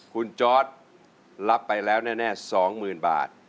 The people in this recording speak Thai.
คุณจอร์ดรับไปแล้วแน่๒๐๐๐บาท